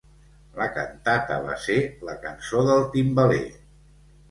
La cantata va ser la "Cançó del timbaler".